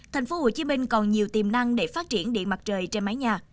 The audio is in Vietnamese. tp hcm còn nhiều tiềm năng để phát triển điện mặt trời trên mái nhà